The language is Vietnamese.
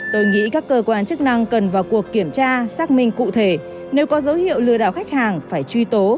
tôi nghĩ các cơ quan chức năng cần vào cuộc kiểm tra xác minh cụ thể nếu có dấu hiệu lừa đảo khách hàng phải truy tố